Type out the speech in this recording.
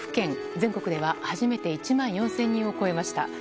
全国では初めて１万４０００人を超えました。